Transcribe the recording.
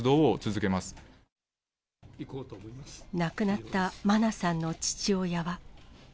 なので、亡くなった真菜さんの父親は。